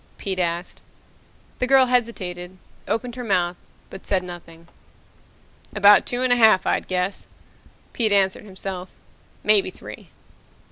Pete asked. The girl hesitated, opened her mouth, but said nothing. "About two and a half, I'd guess," Pete answered himself. "Maybe three."